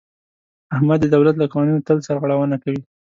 احمد د دولت له قوانینو تل سرغړونه کوي.